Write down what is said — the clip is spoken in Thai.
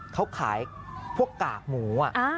เขาขายพวกกากหมู